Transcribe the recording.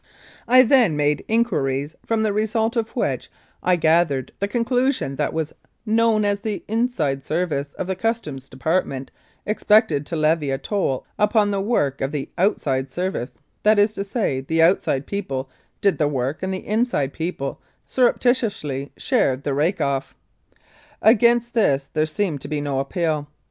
I then made 99 Mounted Police Life in Canada inquiries, from the result of which I gathered the con clusion that what was known as the "Inside" service of the Customs Department expected to levy a toll upon the work of the "Outside" service that is to say, the "Outside" people did the work and the "Inside " people surreptitiously shared the "rake off." Against this there seemed to be no appeal.